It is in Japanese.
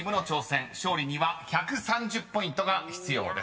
［勝利には１３０ポイントが必要です］